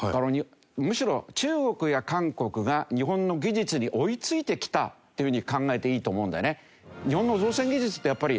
むしろ中国や韓国が日本の技術に追いついてきたっていうふうに考えていいと思うんだよね。